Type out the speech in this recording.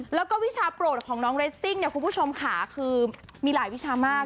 แล้วก็วิชาโปรดของน้องเรสซิ่งเนี่ยคุณผู้ชมค่ะคือมีหลายวิชามาก